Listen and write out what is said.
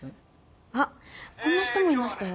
あっこんな人もいましたよ。